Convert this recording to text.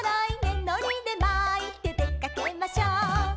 「のりでまいてでかけましょう」